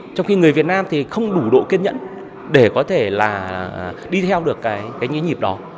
trong khi người việt nam thì không đủ độ kiên nhẫn để có thể là đi theo được cái nhí nhịp đó